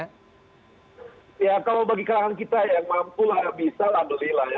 ya kalau bagi kalangan kita yang mampu lah bisa lah beli lah ya